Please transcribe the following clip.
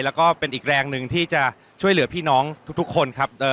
แล้วก็เป็นอีกแรงหนึ่งที่จะช่วยเหลือพี่น้องทุกคนครับ